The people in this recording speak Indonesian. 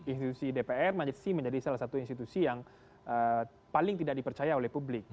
institusi dpr majusi menjadi salah satu institusi yang paling tidak dipercaya oleh publik